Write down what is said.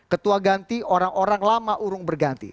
ketua ganti orang orang lama urung berganti